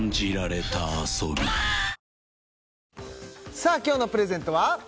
さあ今日のプレゼントは？